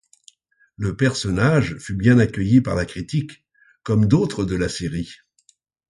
Le personnage fut bien accueilli par la critique, comme d'autres de la série.